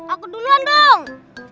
aku duluan dong